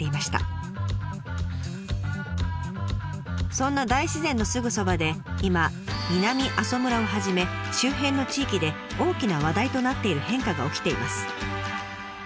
そんな大自然のすぐそばで今南阿蘇村をはじめ周辺の地域で大きな話題となっている変化が起きています。